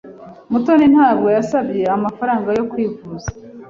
Mutoni ntabwo yasabye amafaranga yo kwivuza.